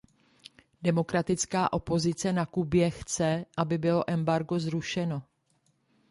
Demokratická opozice na Kubě chce, aby bylo embargo zrušeno.